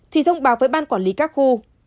thì thông báo với ban quản lý các khu